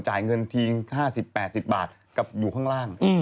จ่ายเงินทิ้ง๕๐๘๐บาทกับอยู่ข้างล่าง